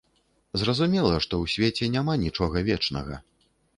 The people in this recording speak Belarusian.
Зразумела, што ў свеце няма нічога вечнага.